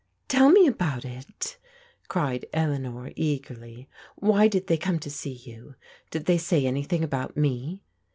"Tell me about it!" cried Eleanor eagerly. "Why did they come to see you ? Did they say anything about me?"